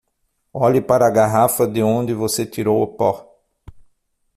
Olhe para a garrafa de onde você tirou o pó.